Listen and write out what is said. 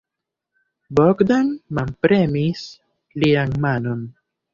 Bogdan manpremis lian manon.